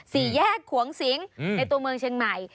สี่แยกขวงสิงในตัวเมืองเชียงใหม่